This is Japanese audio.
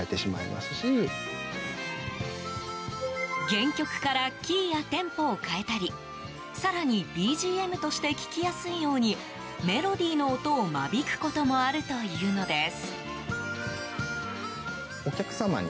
原曲からキーやテンポを変えたり更にＢＧＭとして聞きやすいようにメロディーの音を間引くこともあるというのです。